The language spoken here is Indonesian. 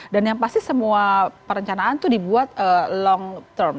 dan yang pasti semua perencanaan tuh dibuat long term